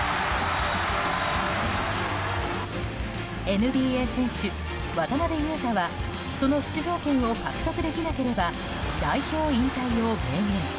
ＮＢＡ選手、渡邊雄太はその出場権を獲得できなければ代表引退を明言。